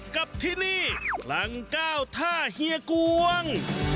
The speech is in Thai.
กับที่นี่ครั้ง๙ท่าเฮียกวง